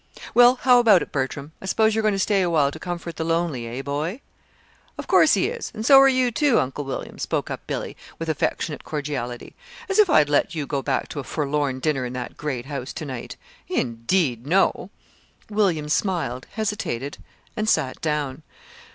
"Well, how about it, Bertram? I suppose you're going to stay a while to comfort the lonely eh, boy?" "Of course he is and so are you, too, Uncle William," spoke up Billy, with affectionate cordiality. "As if I'd let you go back to a forlorn dinner in that great house to night! Indeed, no!" William smiled, hesitated, and sat down.